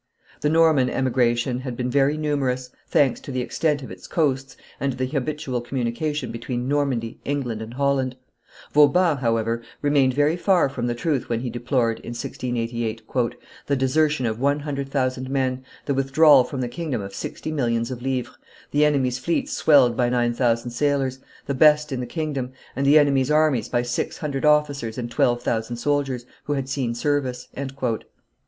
The Norman emigration had been very numerous, thanks to the extent of its coasts and to the habitual communication between Normandy, England, and Holland; Vauban, however, remained very far from the truth when he deplored, in 1688, "the desertion of one hundred thousand men, the withdrawal from the kingdom of sixty millions of livres, the enemy's fleets swelled by nine thousand sailors, the best in the kingdom, and the enemy's armies by six hundred officers and twelve thousand soldiers, who had seen service."